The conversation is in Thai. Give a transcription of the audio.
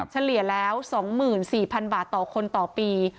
เฉลี่ยแล้ว๒๔๐๐๐บาทต่อคนต่อปี